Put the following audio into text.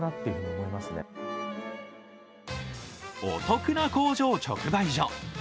お得な工場直売所。